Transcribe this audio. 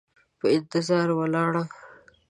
په انتظار ولاړه،